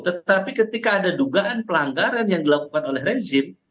tetapi ketika ada dugaan pelanggaran yang dilakukan oleh rezim